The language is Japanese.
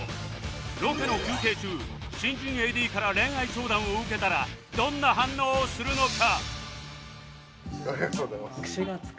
ロケの休憩中新人 ＡＤ から恋愛相談を受けたらどんな反応をするのか？